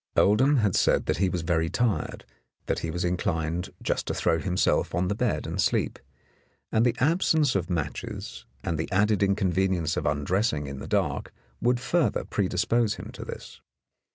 Oldham had said that he was very tired, that he was inclined just to throw himself on the bed and sleep, and the absence of matches and the added inconvenience of undress ing in the dark would further predispose him to this.